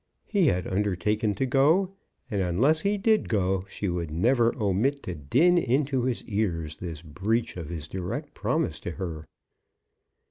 He had undertaken to go, and unless he did go she would never omit to din into his ears this breach of his direct promise to her.